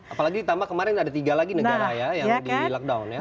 apalagi ditambah kemarin ada tiga lagi negara ya yang di lockdown ya